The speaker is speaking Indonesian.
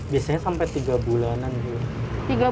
biasanya sampai tiga bulanan